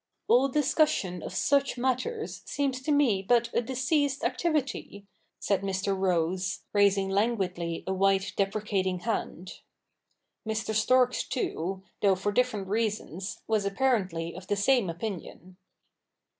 ' All discussion of such matters seems to me but a diseased activity,' said Mr. Rose, raising languidly a white deprecating hand. CH. ii] THE NEW REPUBLIC qi Mr. Storks too, though for different reasons, was apparently of the same opinion.